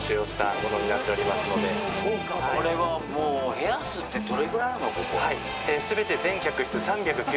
これはもう、部屋数ってどれぐらいあるの？